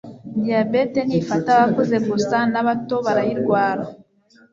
diabete ntifata abakuze gusa nabatobarayirwara